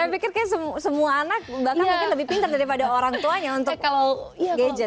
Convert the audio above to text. saya pikir kayak semua anak bahkan mungkin lebih pinter daripada orang tuanya untuk gadget